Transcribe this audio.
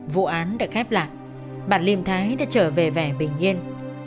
vụ án được khép lại bản liềm thái đã trở về vẻ bình yên